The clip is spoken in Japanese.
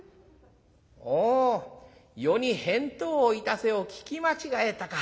「おう『余に返答をいたせ』を聞き間違えたか。